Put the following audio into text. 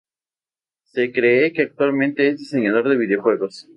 Se cree que actualmente es diseñador de videojuegos.